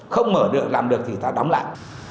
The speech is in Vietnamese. không mở được làm được thì ta đóng lại